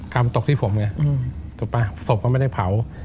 กรรมตกที่ผมไงถูกป่ะศพก็ไม่ได้เผา